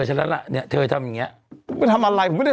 ฉันแล้วล่ะเนี่ยเธอจะยังงี้อ่ากูไม่ทำอะไรกูไม่ได้